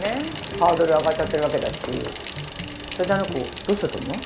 ハードル上がっちゃってるわけだしそれであの子どうしたと思う？